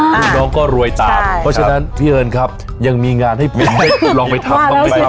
ลูกน้องก็รวยตามเพราะฉะนั้นพี่เอิญครับยังมีงานให้พี่ให้ลองไปทับ